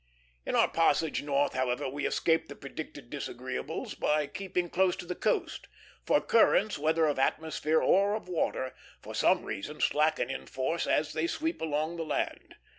In our passage north, however, we escaped the predicted disagreeables by keeping close to the coast; for currents, whether of atmosphere or of water, for some reason slacken in force as they sweep along the land.